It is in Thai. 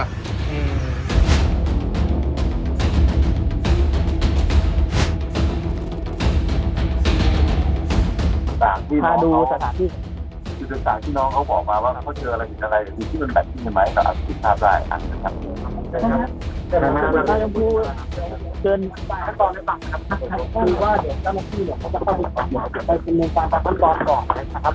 ทุกคนก็ต้องไปมุมฟันทั้งตอนก่อนครับ